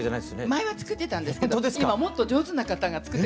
前は作ってたんですけど今もっと上手な方が作って。